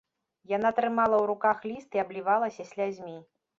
Яна трымала ў руках ліст і аблівалася слязьмі.